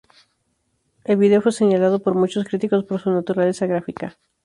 El vídeo fue señalado por muchos críticos por su naturaleza gráfica.